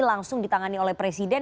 langsung ditangani oleh presiden